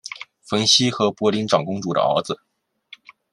冯熙和博陵长公主的儿子。